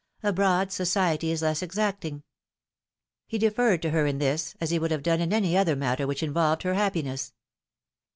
Abroad, society is less exacting." He deferred to her in this, as he would have done in any other matter which involved her happiness.